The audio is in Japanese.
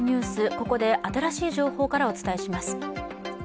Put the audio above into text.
ここで新しい情報からお伝えします。